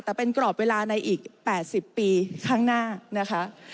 แต่เป็นกรอบเวลาในอีก๘๐ปีข้างหน้านะคะ